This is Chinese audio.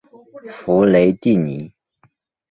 弗雷蒂尼。